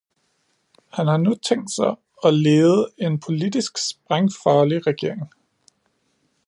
Han har nu tænkt sig at lede en politisk sprængfarlig regering.